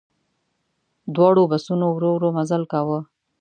دواړو بسونو ورو ورو مزل کاوه.